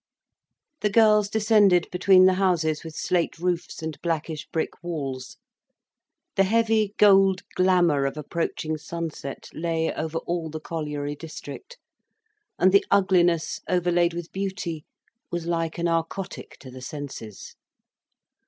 The girls descended between the houses with slate roofs and blackish brick walls. The heavy gold glamour of approaching sunset lay over all the colliery district, and the ugliness overlaid with beauty was like a narcotic to the senses.